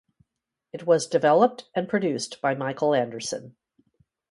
It was developed and produced by Michael Anderson.